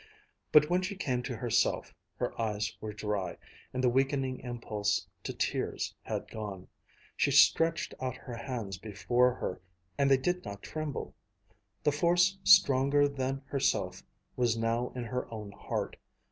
But when she came to herself, her eyes were dry, and the weakening impulse to tears had gone. She stretched out her hands before her, and they did not tremble. The force stronger than herself was now in her own heart.